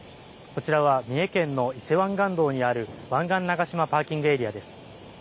こちらは、三重県の伊勢湾岸道にある湾岸長島パーキングエリアです。